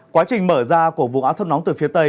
quá trình mở ra của vùng áo thân nóng từ phía tây